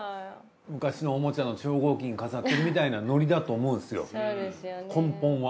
昔のおもちゃの超合金飾ってるみたいなノリだと思うんですよ根本は。